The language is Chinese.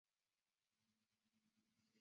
曾任辽宁省人民委员会委员。